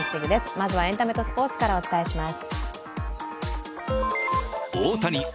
まずはエンタメとスポーツからお伝えします。